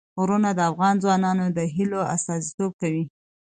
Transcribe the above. غرونه د افغان ځوانانو د هیلو استازیتوب کوي.